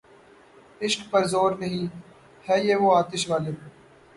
عشق پر زور نہیں، ہے یہ وہ آتش غالب